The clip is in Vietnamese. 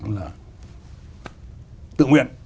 là tự nguyện